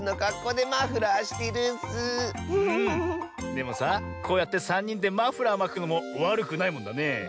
でもさこうやってさんにんでマフラーまくのもわるくないもんだねえ。